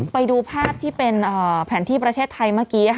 ไปดูภาพที่เป็นแผนที่ประเทศไทยเมื่อกี้